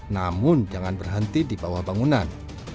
namun jangan berhenti di bawah bangunan